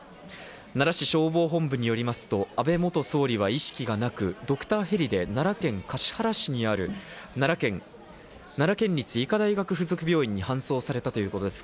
奈良市消防本部によりますと、安倍元総理は意識がなくドクターヘリで奈良県橿原市にある奈良県立医科大学附属病院に搬送されたということです。